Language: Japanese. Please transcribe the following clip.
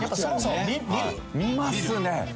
「見ますね！」